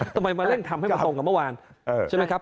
ทำไมมาเล่นทำให้มันตรงกับเมื่อวานใช่ไหมครับ